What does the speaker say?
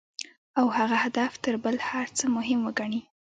او هغه هدف تر بل هر څه مهم وګڼي.